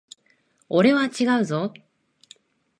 俺は違うぞ。